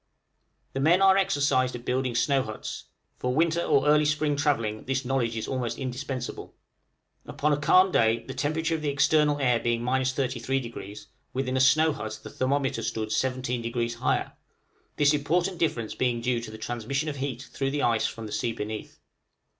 The men are exercised at building snow huts; for winter or early spring travelling, this knowledge is almost indispensable. Upon a calm day the temperature of the external air being 33°, within a snow hut the thermometer stood 17° higher, this important difference being due to the transmission of heat through the ice from the sea beneath.